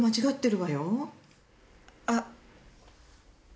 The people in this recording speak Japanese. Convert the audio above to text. あっ。